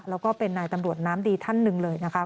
แล้วก็เป็นนายตำรวจน้ำดีท่านหนึ่งเลยนะคะ